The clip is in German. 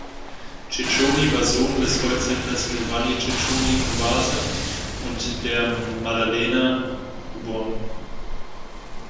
Ceconi war der Sohn des Holzhändlers Giovanni Ceconi-Covase und der Maddalena, geb.